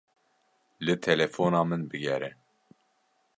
Li telefona min bigere.